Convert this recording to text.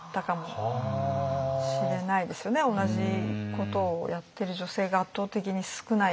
同じことをやってる女性が圧倒的に少ないから。